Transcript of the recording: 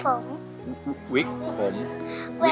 แล้วน้องใบบัวร้องได้หรือว่าร้องผิดครับ